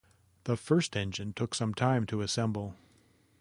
The first engine took some time to assemble.